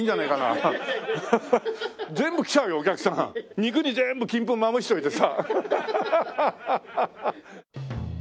肉に全部金粉まぶしといてさ。